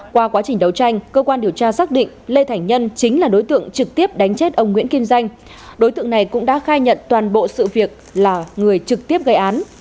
qua quá trình đấu tranh cơ quan điều tra xác định lê thành nhân chính là đối tượng trực tiếp đánh chết ông nguyễn kim danh đối tượng này cũng đã khai nhận toàn bộ sự việc là người trực tiếp gây án